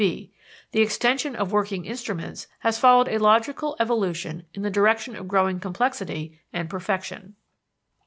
(b) The extension of working instruments has followed a logical evolution in the direction of growing complexity and perfection.